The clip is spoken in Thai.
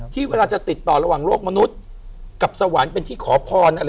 ที่เวลาจะติดต่อระหว่างโลกมนุษย์กับสวรรค์เป็นที่ขอพรอะไร